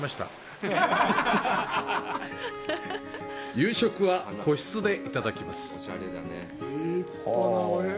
夕食は個室でいただきます。